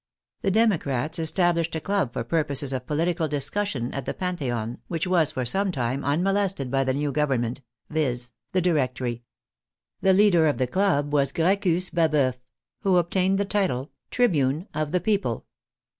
The democrats established a club for pur poses of political discussion at the Pantheon, which was, for some time, unmolested by the new Government, vis.,. the Directory. The leader of the club was Gracchus Baboeuf, who obtained the title of " Tribune of the Peo ple."